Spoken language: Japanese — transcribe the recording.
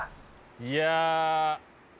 いや。